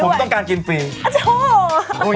ผมต้องการกินฟรี